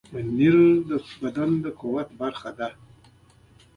پنېر د بدن د قوت برخه ده.